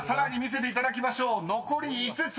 ［残り５つ。